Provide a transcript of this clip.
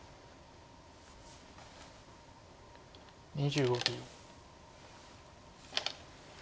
２５秒。